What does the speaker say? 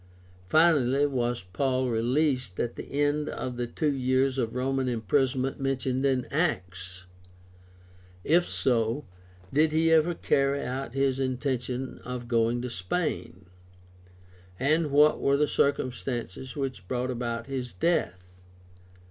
Finally, was Paul released at the end of the two years of Roman imprisonment mentioned in Acts ? If so, did he ever carry out his intention of going to Spain (Rom. 15:24, 28), and what were the circumstances which brought about his death